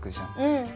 うん。